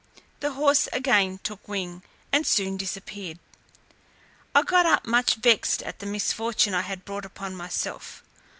The horse again took wing, and soon disappeared. I got up much vexed at the misfortune I had brought upon myself.